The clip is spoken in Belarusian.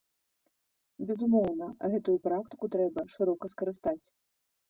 Безумоўна, гэтую практыку трэба шырока скарыстаць.